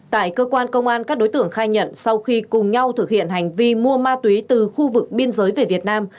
tại cơ quan công an các đối tượng khai nhận sau khi cùng nhau thực hiện hành vi mua ma túy từ khu vực biên giới về việt nam